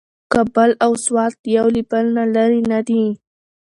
کابل او سوات یو له بل نه لرې نه دي.